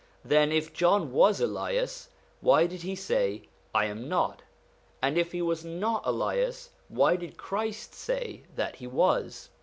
Then if John was Elias, why did he say ' I am not '? and if he was not Elias why did Christ say that he was